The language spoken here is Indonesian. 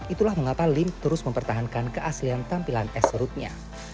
itulah mengapa lim terus mempertahankan keaslian tampilan esrutnya